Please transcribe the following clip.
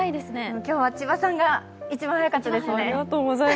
今日は千葉さんが一番早かったですね。